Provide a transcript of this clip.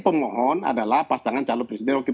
pengohon adalah pasangan calon presiden dan wakil